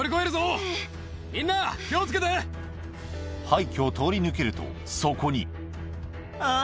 廃虚を通り抜けるとそこにあ